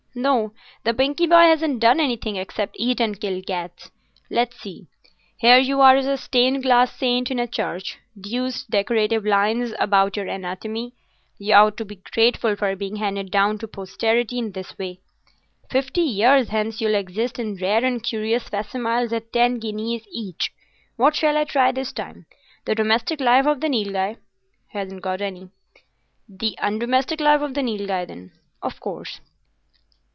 "No; the Binkie boy hasn't done anything except eat and kill cats. Let's see. Here you are as a stained glass saint in a church. Deuced decorative lines about your anatomy; you ought to be grateful for being handed down to posterity in this way. Fifty years hence you'll exist in rare and curious facsimiles at ten guineas each. What shall I try this time? The domestic life of the Nilghai?" "Hasn't got any." "The undomestic life of the Nilghai, then. Of course.